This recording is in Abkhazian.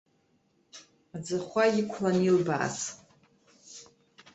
Аӡахәа иқәлан илбааз.